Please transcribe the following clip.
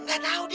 gak tau di